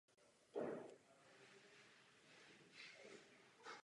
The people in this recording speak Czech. K další spolupráci vzhledem k zániku tvůrčí skupiny nedošlo.